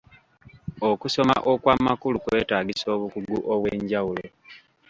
Okusoma okw'amakulu kwetaagisa obukugu obw'enjawulo.